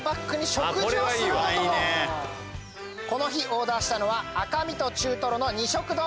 オーダーしたのは赤身と中トロの２色丼。